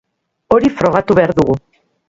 Hori frogatu behar dugu.